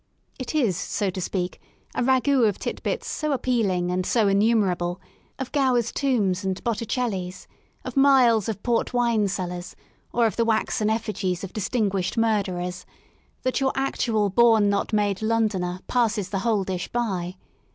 It is, so to speak, a ragoiit of tit bits so appealing and so innumerable — of Gower's tombs and Botticelli's, of miles of port wine cellars or of the waxen effigies of distinguished murderers — that your actual born not made Londoner passes the whole dish by.